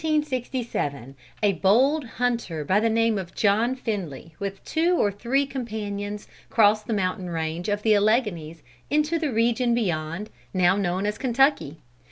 In the year 1767, a bold hunter by the name of John Finley with two or three companions crossed the mountain range of the Alleghanies into the region beyond, now known as Kentucky.